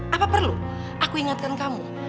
apa perlu aku ingatkan kamu